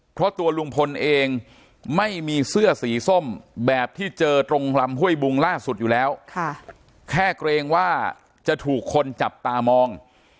เพราะตัวลุงพลเองไม่มีเสื้อสีส้มแบบที่เจอตรงลำห้วยบุงล่าสุดอยู่แล้วแค่เกรงว่าจะถูกคนจับตามอง